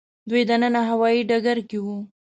دوی دننه هوايي ډګر کې وو.